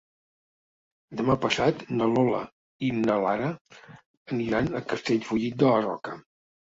Demà passat na Lola i na Lara aniran a Castellfollit de la Roca.